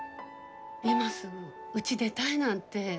今すぐうち出たいなんて。